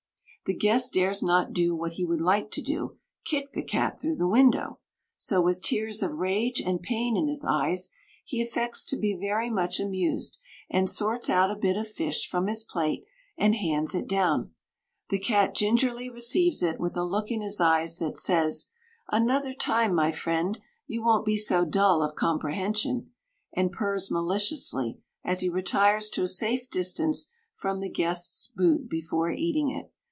The guest dares not do what he would like to do kick the cat through the window so, with tears of rage and pain in his eyes, he affects to be very much amused, and sorts out a bit of fish from his plate and hands it down. The cat gingerly receives it, with a look in his eyes that says: "Another time, my friend, you won't be so dull of comprehension," and purrs maliciously as he retires to a safe distance from the guest's boot before eating it.